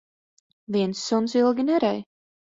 Viens suns ilgi nerej.